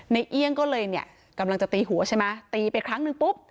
เอี่ยงก็เลยเนี่ยกำลังจะตีหัวใช่ไหมตีไปครั้งนึงปุ๊บ